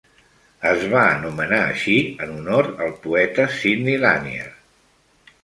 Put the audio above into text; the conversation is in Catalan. Es va anomenar així en honor al poeta Sidney Lanier.